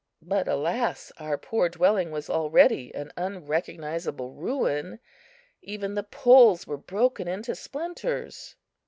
But alas! our poor dwelling was already an unrecognizable ruin; even the poles were broken into splinters.